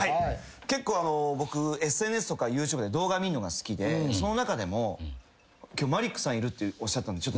結構僕ＳＮＳとかＹｏｕＴｕｂｅで動画見るのが好きでその中でも今日マリックさんいるっておっしゃったんでテンション上がったんすけど。